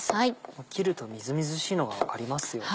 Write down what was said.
切るとみずみずしいのが分かりますよね。